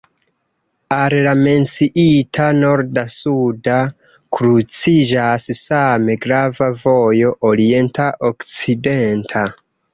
Al la menciita norda-suda kruciĝas same grava vojo orienta-okcidenta.